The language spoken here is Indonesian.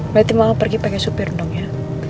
berarti mama pergi pake supir dong ya